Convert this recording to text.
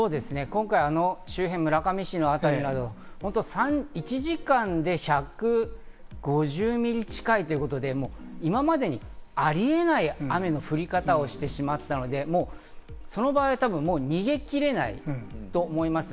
今回、あの周辺、村上市の辺り、１時間で１５０ミリ近いということで、今までにありえない雨の降り方をしてしまったので、その場合、逃げ切れないと思います。